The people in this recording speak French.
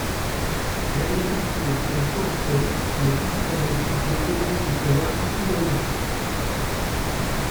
L'agriculture et la foresterie sont les principales activités économiques de ce versant hydrographique.